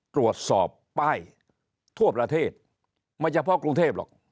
ตรวจสอบป้ายทั่วประเทศไม่เฉพาะกรุงเทพหรอก